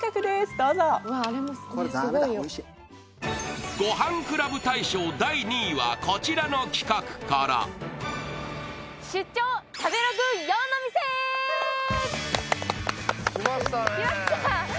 どうぞこれダメだおいしいごはんクラブ大賞第２位はこちらの企画から来ましたね来ました